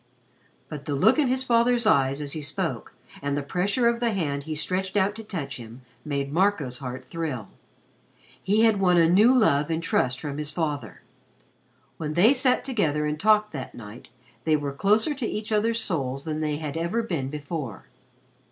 But the look in his father's eyes as he spoke, and the pressure of the hand he stretched out to touch him, made Marco's heart thrill. He had won a new love and trust from his father. When they sat together and talked that night, they were closer to each other's souls than they had ever been before.